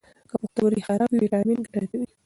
که پښتورګي خراب وي، ویټامین ګټه نه کوي.